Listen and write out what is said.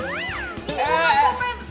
lu juga eh